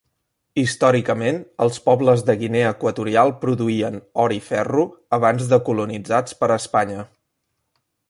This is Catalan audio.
Històricament, els pobles de Guinea Equatorial produïen or i ferro abans de colonitzats per Espanya.